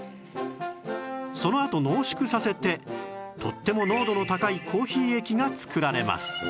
そのあと濃縮させてとっても濃度の高いコーヒー液が作られます